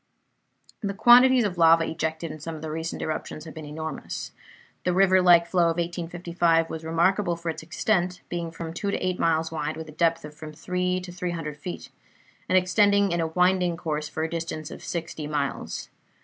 The quantities of lava ejected in some of the recent eruptions have been enormous. The river like flow of 1855 was remarkable for its extent, being from two to eight miles wide, with a depth of from three to three hundred feet, and extending in a winding course for a distance of sixty miles.